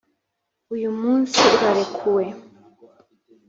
uyu munsi urarekuwe?